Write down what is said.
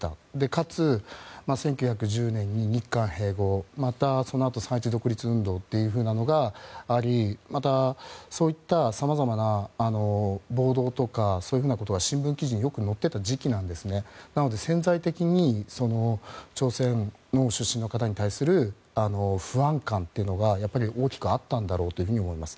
かつ１９１０年に日韓併合また、そのあと三・一独立運動というものがありまた、そういったさまざまな暴動とかそういうことが新聞記事によく載っていた時期で潜在的に朝鮮出身の方への不安感というものが大きくあったんだろうと思います。